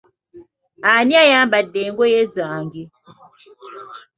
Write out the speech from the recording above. Ani ayambadde engoye zange?